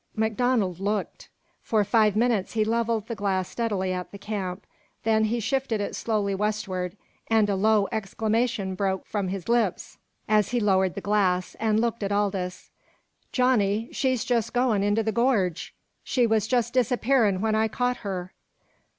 MacDonald looked. For five minutes he levelled the glass steadily at the camp. Then he shifted it slowly westward, and a low exclamation broke from his lips as he lowered the glass, and looked at Aldous. "Johnny, she's just goin' into the gorge! She was just disappearin' when I caught her!"